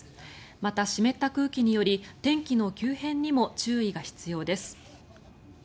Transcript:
また、湿った空気により天気の急変にも注意が必要です。